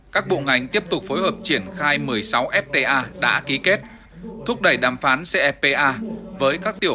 các bộ ngành tiếp tục phối hợp triển khai một mươi sáu fta đã ký kết thúc đẩy đàm phán cfpa với các tiểu